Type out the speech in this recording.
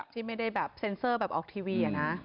ที่ไม่ได้แบบเซ็นเซอร์แบบออกทีวีอะนะ